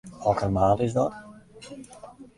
Hokker maat is dat?